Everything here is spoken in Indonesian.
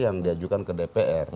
yang diajukan ke dpr